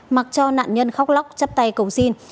mặc cho nạn nhân khóc lóc chắp tay cầu xin